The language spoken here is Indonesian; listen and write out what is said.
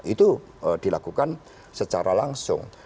itu dilakukan secara langsung